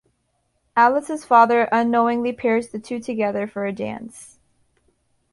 Alice's father unknowingly pairs the two together for a dance.